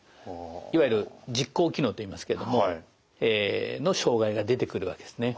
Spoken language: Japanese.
いわゆる実行機能といいますけどもええの障害が出てくるわけですね。